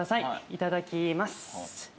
いただきます。